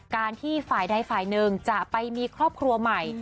การที่ฝ่ายใดฝ่ายหนึ่งจะไปมีครอบครัวใหม่